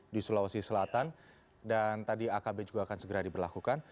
di sulawesi selatan dan tadi akb juga akan segera diberlakukan